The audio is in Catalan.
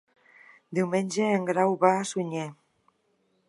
Diumenge en Grau va a Sunyer.